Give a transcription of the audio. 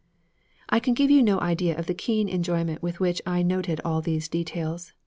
I can give you no idea of the keen enjoyment with which I noted all these details.